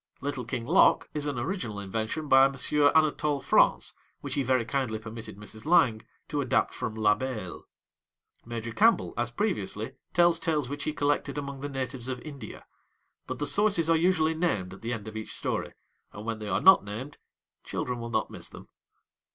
'Little King Loc' is an original invention by M. Anatole France, which he very kindly permitted Mrs. Lang to adapt from L'Abeille. Major Campbell, as previously, tells tales which he collected among the natives of India. But the sources are usually named at the end of each story, and when they are not named children will not miss them.